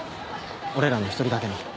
俺らの１人だけの。